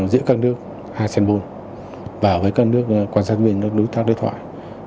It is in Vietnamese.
giữa các nước asean napol và với các nước quan sát viên đối tác đối thoại